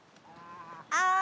ああ！